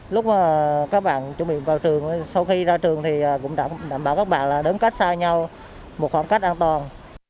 lúc các bạn chuẩn bị vào trường sau khi ra trường thì cũng đảm bảo các bạn là đứng cách xa nhau một khoảng cách an toàn